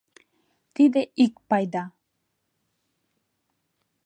Тиде ик пайда.